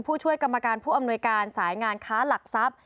ผู้ช่วยกรรมการผู้อำนวยการสายงานค้าหลักทรัพย์